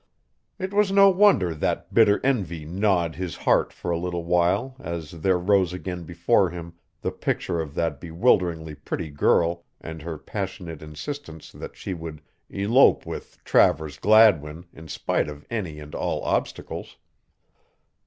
It was no wonder that bitter envy gnawed his heart for a little while as there rose again before him the picture of that bewilderingly pretty girl and her passionate insistence that she would elope with "Travers Gladwin" in spite of any and all obstacles.